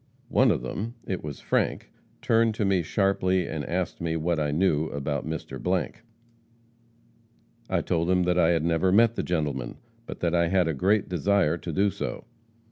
"One of them it was Frank turned to me sharply, and asked me what I knew about Mr. . I told him that I had never met the gentleman, but that I had a great desire to do so.